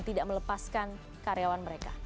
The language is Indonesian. tidak melepaskan karyawan mereka